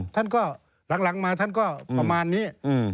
ท่านก็หลังมาท่านก็ประมาณนี้